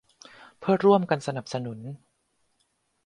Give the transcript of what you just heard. เพื่อร่วมกันสนับสนุน